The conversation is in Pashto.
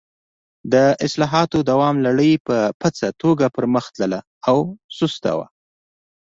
د اصلاحاتو دوام لړۍ په پڅه توګه پر مخ تلله او سست و.